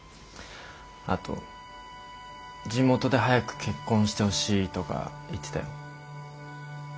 あと地元で早く結婚してほしいとか言ってたよ。